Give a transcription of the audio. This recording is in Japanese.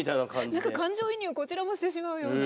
何か感情移入こちらもしてしまうような。